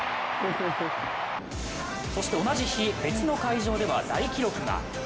そして同じ日、別の会場では大記録が。